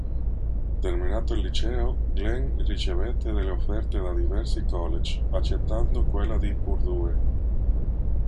Terminato il liceo, Glenn ricevette delle offerte da diversi College, accettando quella di Purdue.